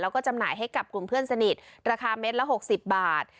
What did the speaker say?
แล้วก็จำหน่ายให้กับกลุ่มเพื่อนสนิทราคาเม็ดละ๖๐บาท